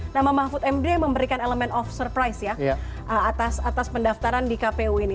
nama mahfud md memberikan elemen of surprise ya atas pendaftaran di kpu ini